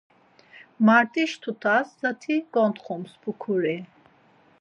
Mart̆iş tutas zati gontxims pukuri.